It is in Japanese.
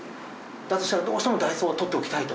だとしたらどうしてもダイソーは取っておきたいと？